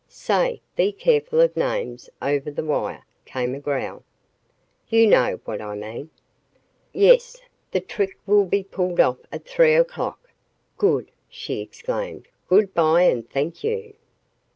"Say be careful of names over the wire," came a growl. "You know what I mean." "Yes. The trick will be pulled off at three o'clock." "Good!" she exclaimed. "Good bye and thank you."